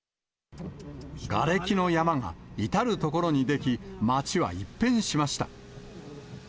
がれきの山が、至る所に出来、町は一変しました。